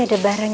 kamu mau bantuan